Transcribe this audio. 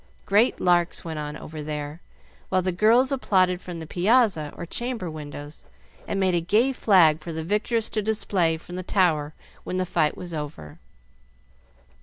Great larks went on over there, while the girls applauded from the piazza or chamber windows, and made a gay flag for the victors to display from the tower when the fight was over.